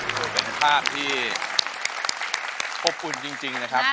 วันนี้เป็นภาพที่ควบอุ่นจริงนะครับ